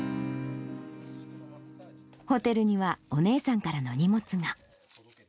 ホテルにはお姉さんからの荷物が。